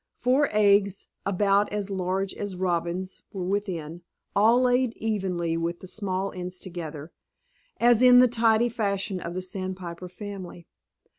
Four eggs, about as large as robins', were within, all laid evenly with the small ends together, as is the tidy fashion of the Sandpiper family.